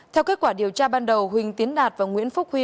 theo kết quả điều tra ban đầu huỳnh tiến đạt và nguyễn phúc huy